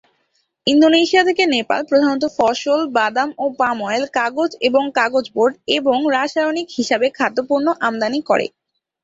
Indonesia থেকে, নেপাল প্রধানত ফসল, বাদাম ও পাম অয়েল, কাগজ এবং কাগজ বোর্ড, এবং রাসায়নিক হিসাবে খাদ্য পণ্য আমদানি করে।